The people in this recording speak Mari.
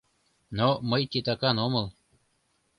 — Но мый титакан омыл.